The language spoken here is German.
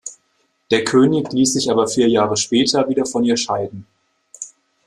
Der König ließ sich aber vier Jahre später wieder von ihr scheiden.